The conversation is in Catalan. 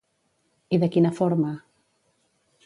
I de quina forma?